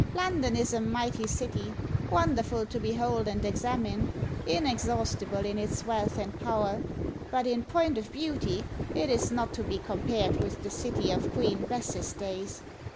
London is a mighty city, wonderful to behold and examine, inexhaustible in its wealth and power; but in point of beauty it is not to be compared with the city of Queen Bess's days.